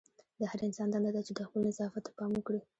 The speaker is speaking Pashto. د هر انسان دنده ده چې خپل نظافت ته پام وکړي.